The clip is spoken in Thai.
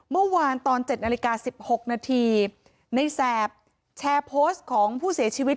เมื่อวานตอน๗นาฬิกา๑๖นาทีในแสบแชร์โพสต์ของผู้เสียชีวิต